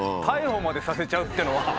逮捕までさせちゃうっていうのは。